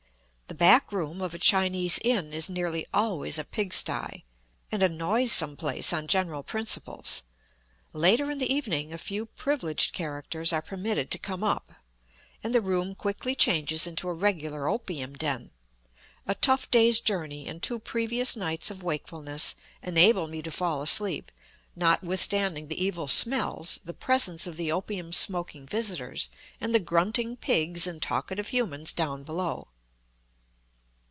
The back room of a Chinese inn is nearly always a pigsty, and a noisome place on general principles. Later in the evening a few privileged characters are permitted to come up, and the room quickly changes into a regular opium den. A tough day's journey and two previous nights of wakefulness, enable me to fall asleep, notwithstanding the evil smells, the presence of the opium smoking visitors, and the grunting pigs and talkative humans down below.